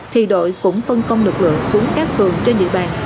thì đội cũng phân công lực lượng xuống các phường trên địa bàn